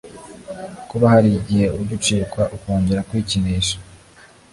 Kuba hari igihe ujya ucikwa ukongera kwikinisha